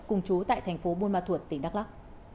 cùng chú tại thành phố buôn ma thuột tỉnh đắk lắc